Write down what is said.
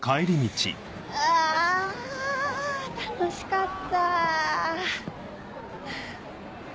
あ楽しかった。